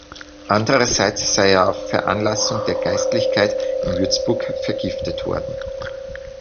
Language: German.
Andererseits sei er auf Veranlassung der Geistlichkeit in Würzburg vergiftet worden.